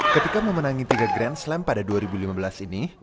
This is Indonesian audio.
ketika memenangi tiga grand slam pada dua ribu lima belas ini